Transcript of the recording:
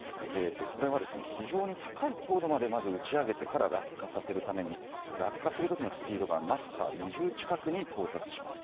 これは、非常に高い高度まで打ち上げてから落下させるために落下する時のスピードがマッハ２０近くに到達します。